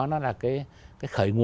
nó là cái